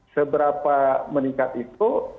seberapa meningkat itu